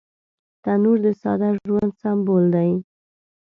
تنور د ساده ژوند سمبول دی